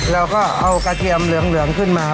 เราก็เอากระเทียมเหลืองขึ้นมา